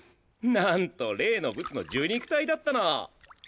なんと例のブツの受肉体だったの。